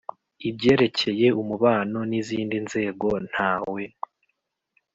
Ibyerekeye umubano n ‘izindi nzego ntawe.